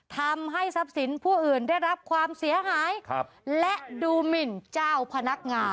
ทำให้ทรัพย์สินผู้อื่นได้รับความเสียหายและดูหมินเจ้าพนักงาน